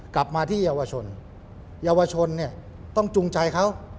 กลับมาที่เยาวชนเยาวชนเนี่ยต้องจุงใจเขา